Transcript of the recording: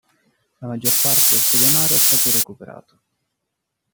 La maggior parte del suo denaro è stato recuperato.